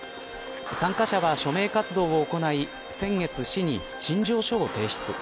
参加者は署名活動を行い先月、市に陳情書を提出。